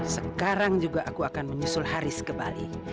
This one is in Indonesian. sekarang juga aku akan menyusul haris ke bali